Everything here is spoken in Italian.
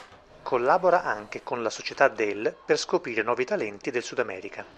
Collabora anche con la società del per scoprire nuovi talenti nel Sudamerica.